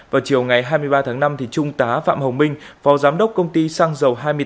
vào chiều ngày hai mươi ba tháng năm trung tá phạm hồng minh phó giám đốc công ty xăng dầu hai mươi tám